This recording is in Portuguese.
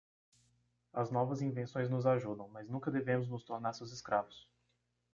As novas invenções nos ajudam, mas nunca devemos nos tornar seus escravos.